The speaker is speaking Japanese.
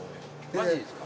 マジですか？